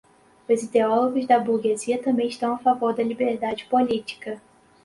os ideólogos da burguesia também estão a favor da liberdade política